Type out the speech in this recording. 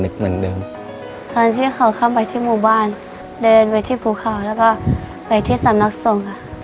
ในแคมเปญพิเศษเกมต่อชีวิตโรงเรียนของหนู